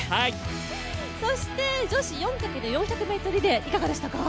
そして、女子４×４００ｍリレーいかがでしたか？